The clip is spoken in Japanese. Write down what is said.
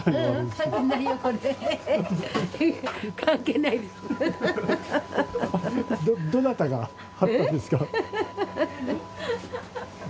どなたが貼ったんですか？